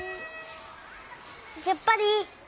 やっぱりいい！